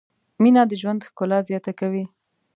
مینه د ژوند ښکلا زیاته کوي.